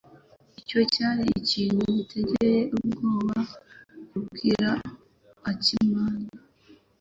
Icyo cyari ikintu giteye ubwoba kubwira Akimana.